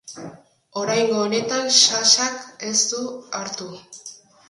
Oraingo honetan Sasak ez du hartu.